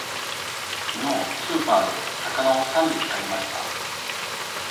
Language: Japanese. きのうスーパーで魚を三匹買いました。